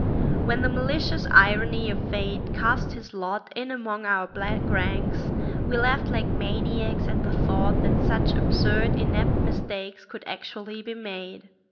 When the malicious irony of fate cast his lot in among our black ranks, we laughed like maniacs at the thought that such absurd inept mistakes could actually be made.